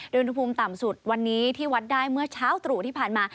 โดยอุณหภูมิต่ำสุดวันนี้ที่วัดได้เมื่อเช้าตรู่ที่ผ่านมา